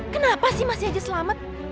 kenapa sih masih aja selamat